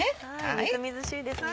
みずみずしいですね。